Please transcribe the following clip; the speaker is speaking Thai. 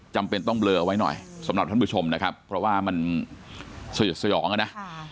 จำเป็นต้องเลอไว้หน่อยสำหรับท่านผู้ชมนะครับเพราะว่ามันสยดสยองอ่ะนะ